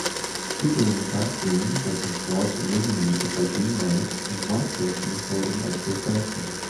People in a dark room that has walls illuminated by green lights and one person is holding up their cellphone